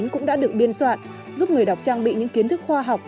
cũng đã được biên soạn giúp người đọc trang bị những kiến thức khoa học